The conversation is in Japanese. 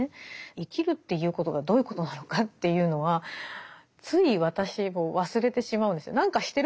生きるっていうことがどういうことなのかというのはつい私も忘れてしまうんですよ。